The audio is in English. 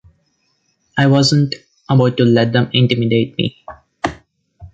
I wasn't about to let them intimidate me.